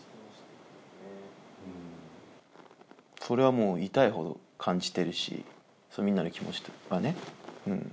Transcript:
それはもう痛いほど感じてるしみんなの気持ちとかね。